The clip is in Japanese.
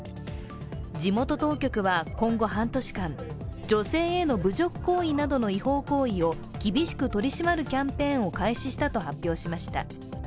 地元当局は今後半年間、女性への侮辱行為などの違法行為を厳しく取り締まるキャンペーンを開始したと発表しました。